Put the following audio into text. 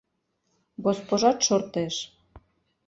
Госпожат шортеш.